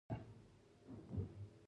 لومړی یو کال د ساینسي مضامینو لپاره دی.